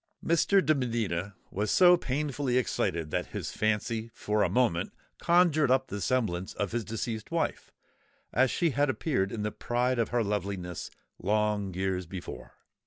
Mr. de Medina was so painfully excited that his fancy for a moment conjured up the semblance of his deceased wife, as she had appeared in the pride of her loveliness, long years before.